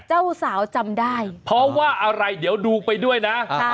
เจ้าสาวจำได้เพราะว่าอะไรเดี๋ยวดูไปด้วยนะ